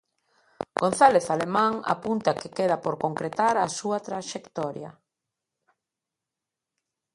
González Alemán apunta que queda por concretar a súa traxectoria.